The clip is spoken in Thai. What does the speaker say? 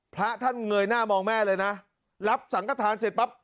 พระท่านเงยหน้ามองแม่เลยนะรับสังกฐานเสร็จปั๊บ